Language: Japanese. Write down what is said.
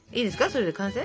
それで完成？